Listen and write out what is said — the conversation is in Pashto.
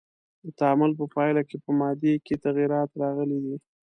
د تعامل په پایله کې په مادې کې تغیرات راغلی دی.